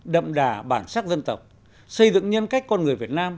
đậm đà bản sắc dân tộc xây dựng nhân cách con người việt nam